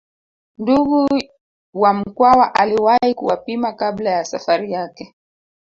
Ndugu wa Mkwawa aliwahi kuwapima kabla ya Safari yake